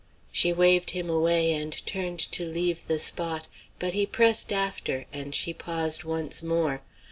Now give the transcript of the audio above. She waved him away and turned to leave the spot, but he pressed after, and she paused once more.